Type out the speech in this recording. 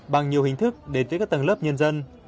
bằng nhiều hình thức đến tới các tầng lớp nhân dân